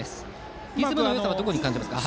リズムのよさはどこに感じますか？